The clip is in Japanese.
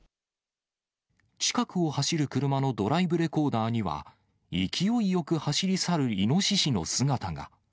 近くを走る車のドライブレコーダーには、勢いよく走り去るイノシシの姿が。